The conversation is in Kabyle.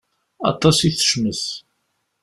Aṭas i tecmet.